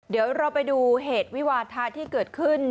เดี๋ยวเราไปดูเหตุวิวาทะที่เกิดขึ้น